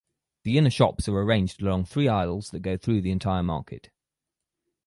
The inner shops are arranged along three aisles that go through the entire market.